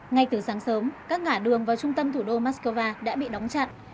ngay từ sáng sớm các ngã đường vào trung tâm thủ đô moscow đã bị đóng chặt